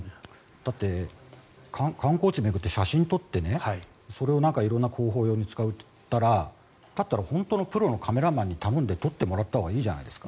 だって観光地を巡って、写真を撮ってそれを色んな広報用に使ったらだったら本当のプロのカメラマンに頼んで撮ってもらったほうがいいじゃないですか。